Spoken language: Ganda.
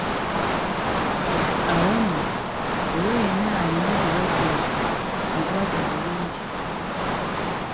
Awo nno, oyo yenna alina ekirwadde ekyo, mukwate bulungi.